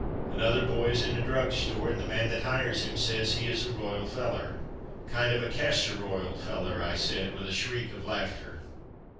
Another boy is in a drug store, and the man that hires him says he is a royal feller." "Kind of a castor royal feller," I said, with a shriek of laughter.